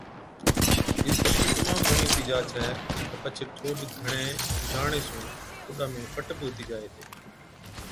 جِڏ خُشڪِي تمام گھڻِي هُتِي جا تہ پڇي ٺوڏ گھڻَي کُنجھاڙڻي سُون ٺوڏا ۾ فٽ بِي هُتِي جائي هِتي۔